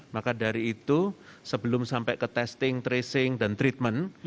maka dari itu sebelum sampai ke testing tracing dan treatment